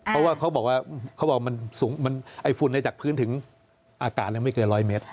เพราะว่าเขาบอกว่าไอ้ฝุ่นจากพื้นถึงอากาศไม่เกินร้อยเมตร